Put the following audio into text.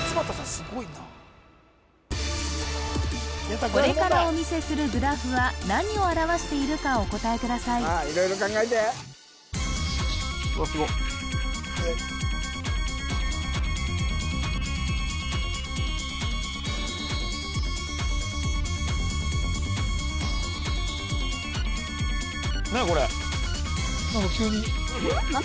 すごいなこれからお見せするグラフは何を表しているかお答えくださいさあ色々考えてうわっすごっ何やこれ何か急にうん？